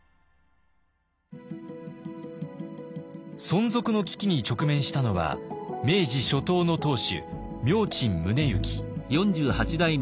存続の危機に直面したのは明治初頭の当主明珍宗之。